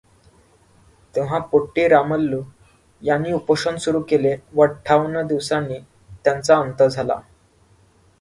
तेव्हा पोट्टी रामल्लू यांनी उपोषण सुरू केले व अठ्ठावन्न दिवसांनी त्यांचा अंत झाला.